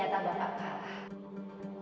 bagaimana bapak bagaimana saya tawarkan solusi